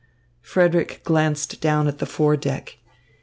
Frederick glanced down at the fore deck.